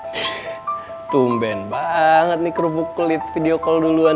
cek tumben banget nih kerubuk kulit video call duluan